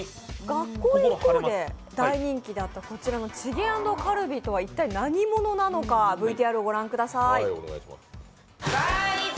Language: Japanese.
「学校へ行こう！」で大人気だったこちらのチゲ＆カルビとは一体何者なのか、ＶＴＲをご覧ください。